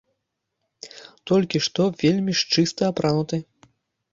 Толькі што вельмі ж чыста апрануты.